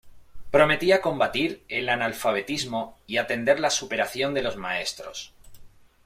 Prometía combatir el analfabetismo y atender la superación de los maestros.